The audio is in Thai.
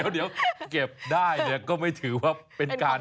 เดี๋ยวเก็บได้เนี่ยก็ไม่ถือว่าเป็นการ